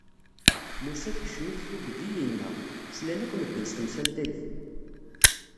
Musa tekcem-it tugdi, inna: Slan akk medden s temsalt-agi!